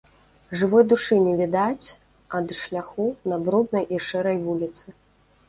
Жывой душы не відаць ад шляху на бруднай і шэрай вуліцы.